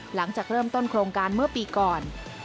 หลังจากเริ่มต้นโครงการเมื่อปีก่อน